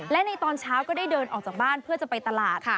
และในตอนเช้าก็ได้เดินออกจากบ้านเพื่อจะไปตลาด